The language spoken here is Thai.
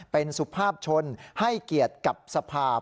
เป็นสุภาพชนให้เกียรติกับสภาพ